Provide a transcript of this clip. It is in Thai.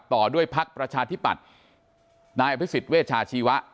ต่อด้วยพักประชาธิปัตย์นายอภิษฎเวชาชีวะ